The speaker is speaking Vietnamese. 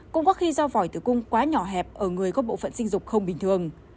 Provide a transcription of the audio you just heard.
cũng có khi do vòi tử cung quá nhỏ hẹp ở người có bộ phận sinh dục không bình thường